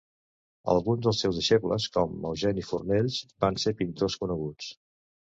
Alguns dels seus deixebles, com Eugeni Fornells, van ser pintors coneguts.